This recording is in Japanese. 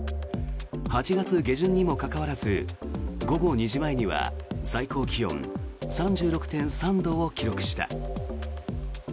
８月下旬にもかかわらず午後２時前には最高気温３６．３度を記録した。